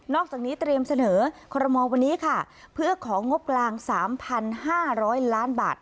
อกจากนี้เตรียมเสนอคอรมอลวันนี้ค่ะเพื่อของงบกลาง๓๕๐๐ล้านบาท